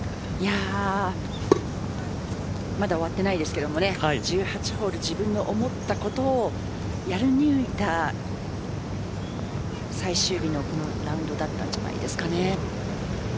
まだ終わっていないですけども１８ホール自分の思ったことをやり抜いた最終日のこのラウンドだったんじゃないですかね。